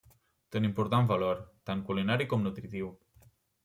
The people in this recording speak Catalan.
Té un important valor, tant culinari com nutritiu.